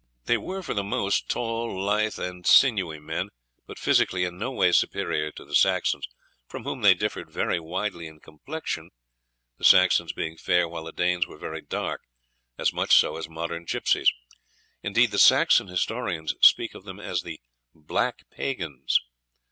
They were, for the most, tall, lithe, and sinewy men, but physically in no way superior to the Saxons, from whom they differed very widely in complexion, the Saxons being fair while the Danes were very dark, as much so as modern gypsies; indeed, the Saxon historians speak of them as the black pagans.